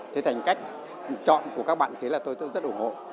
thế thành cách chọn của các bạn thế là tôi tôi rất ủng hộ